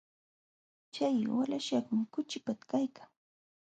Chay walaśhkaqmi kuchipata kaykan.